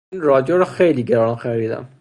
این رادیو را خیلی گران خریدم.